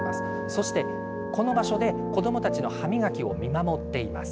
そして、この場所で子どもたちの歯磨きを見守っています。